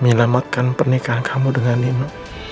meyelamatkan pernikahan kamu dengan dino